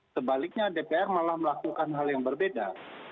sebaliknya dpr malah melakukan hal yang berbeda